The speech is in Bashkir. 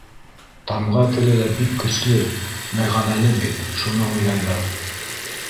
Тамға теле лә бик көслө, мәғәнәле бит, шуны уйлайҙар.